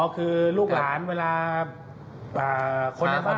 คือลูกหลานเวลาคนในบ้าน